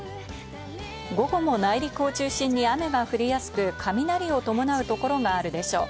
午後も内陸を中心に雨が降りやすく雷を伴う所があるでしょう。